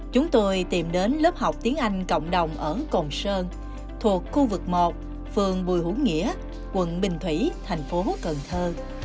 chúng tôi tìm đến lớp học tiếng anh cộng đồng ở cồn sơn thuộc khu vực một phường bùi hữu nghĩa quận bình thủy thành phố cần thơ